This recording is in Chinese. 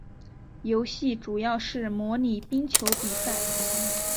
游戏主要是模拟冰球比赛。